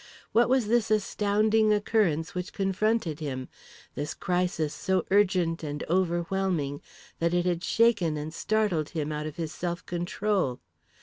What was this astounding occurrence which confronted him, this crisis so urgent and over whelming that it had shaken and startled him out of his self control?